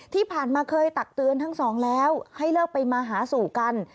ที่ผ่านมาเคยตักเตือนทั้งสองแล้วให้เลิกไปมาหาสู่กัน